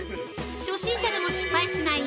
初心者でも失敗しない！